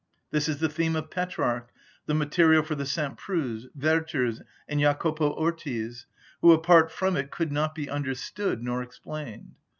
This is the theme of Petrarch, the material for the St. Preuxs, Werthers, and Jacopo Ortis, who apart from it could not be understood nor explained.